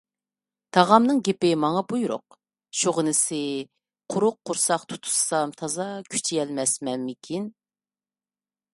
ئاغامنىڭ گېپى ماڭا بۇيرۇق. شۇغىنىسى، قۇرۇق قورساق تۇتۇشسام تازا كۈچىيەلمەسمەنمىكىن.